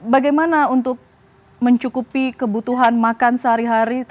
bagaimana untuk mencukupi kebutuhan makan sehari hari